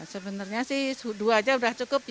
sebenarnya dua saja sudah cukup